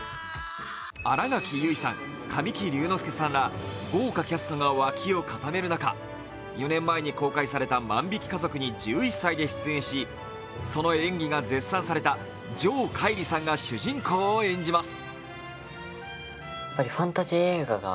新垣結衣さん、神木隆之介さんら、豪華キャストが脇を固める中、４年前に公開された「万引き家族」に１１歳で出演し、その演技が絶賛された城桧吏さんが主人公を演じます。